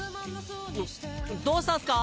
どどうしたんすか？